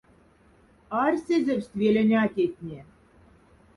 Арьсезевсть велень атятне.